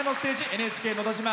「ＮＨＫのど自慢」